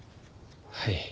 はい。